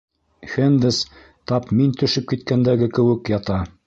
Хэндс тап мин төшөп киткәндәге кеүек ята.